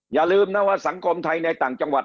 อย่าลืมนะว่าสังคมไทยในต่างจังหวัด